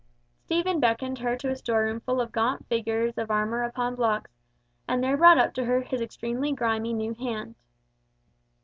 Stephen beckoned her to a store room full of gaunt figures of armour upon blocks, and there brought up to her his extremely grimy new hand!